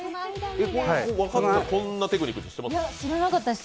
こんなテクニックって知ってます？